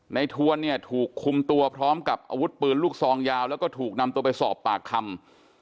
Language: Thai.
ทวนเนี่ยถูกคุมตัวพร้อมกับอาวุธปืนลูกซองยาวแล้วก็ถูกนำตัวไปสอบปากคำ